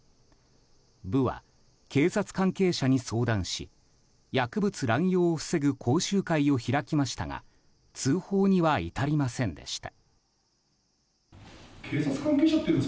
部は警察関係者に相談し薬物乱用を防ぐ講習会を開きましたが通報には至りませんでした。